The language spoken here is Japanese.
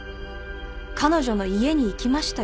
彼女の家に行きましたよね。